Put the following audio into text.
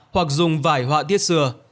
hoặc dùng vải họa tiết xưa